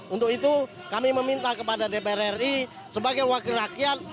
untuk itu kami meminta kepada dpr ri sebagai wakil rakyat